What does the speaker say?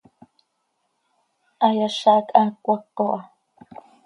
Hayaza hac haa cmaco ha.